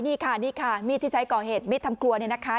นี่ค่ะนี่ค่ะมีดที่ใช้ก่อเหตุมีดทำครัวเนี่ยนะคะ